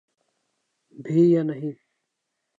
بھی یا نہیں۔